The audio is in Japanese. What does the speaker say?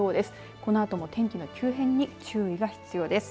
このあとも天気の急変に注意が必要です。